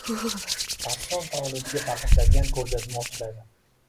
Rassom tavalludiga bag‘ishlangan ko‘rgazma ochiladi.